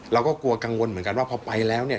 เราก็กลัวกังวลเหมือนกันว่าพอไปแล้วเนี่ย